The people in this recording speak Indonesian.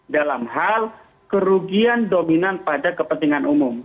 dalam hal kerugian dominan pada kepentingan umum